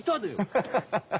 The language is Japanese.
ハハハハハ。